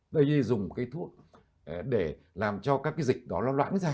đây là dùng cái thuốc để làm cho các cái dịch đó loãng ra